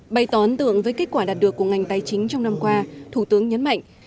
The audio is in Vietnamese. bày tỏ ấn tượng với kết quả đạt được của ngành tài chính trong năm qua thủ tướng nhấn mạnh